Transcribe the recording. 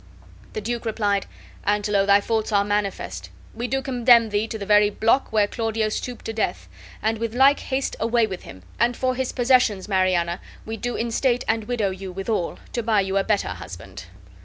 The duke replied: "Angelo, thy faults are manifest. We do condemn thee to the very block where Claudio stooped to death, and with like haste away with him; and for his possessions, Mariana, we do instate and widow you withal, to buy you a better husband."